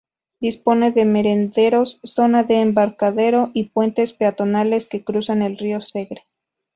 Dispone de merenderos, zona de embarcadero y puentes peatonales que cruzan el río Segre.